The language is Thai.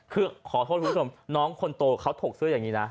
คือขอโทษคุณผู้ชมน้องคนโตเขาถกเสื้ออย่างนี้นะ